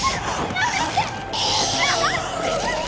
やめて！